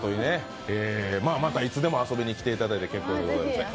またいつでも遊びに来ていただいて結構でございます。